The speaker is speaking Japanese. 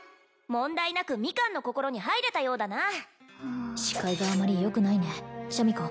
問題なくミカンの心に入れたようだな視界があまりよくないねシャミ子